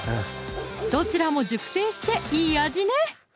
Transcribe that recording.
どちらも熟成していい味ね！